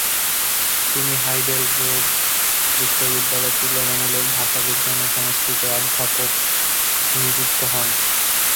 তিনি হাইডেলবের্গ বিশ্ববিদ্যালয়ে তুলনামূলক ভাষাবিজ্ঞান ও সংস্কৃতের অধ্যাপক নিযুক্ত হন।